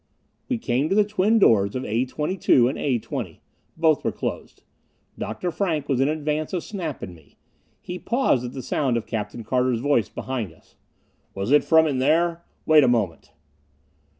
We came to the twin doors of A 22 and A 20. Both were closed. Dr. Frank was in advance of Snap and me. He paused at the sound of Captain Carter's voice behind us. "Was it from in there? Wait a moment!"